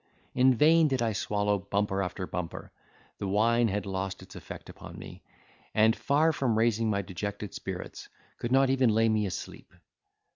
In vain did I swallow bumper after bumper! the wine had lost its effect upon me, and, far from raising my dejected spirits, could not even lay me asleep.